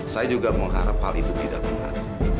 saya juga mengharap hal itu tidak benar